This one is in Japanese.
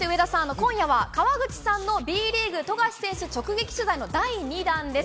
今夜は川口さんのＢリーグ、富樫選手直撃取材の第２弾です。